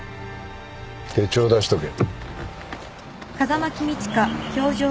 手帳出しとけ。